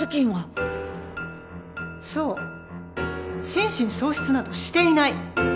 心神喪失などしていない！